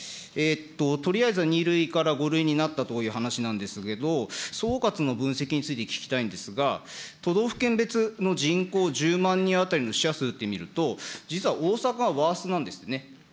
とりあえずは２類から５類になったという話なんですけれども、総括の分析について聞きたいんですが、都道府県別の人口１０万人当たりの死者数って見ると、実は大阪がワーストなんですよね。